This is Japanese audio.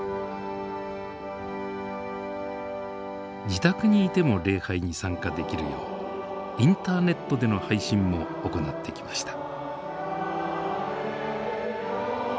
自宅にいても礼拝に参加できるようインターネットでの配信も行ってきました。